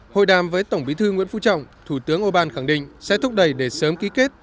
hội đàm với tổng bí thư nguyễn phú trọng thủ tướng orbán khẳng định sẽ thúc đẩy để sớm ký kết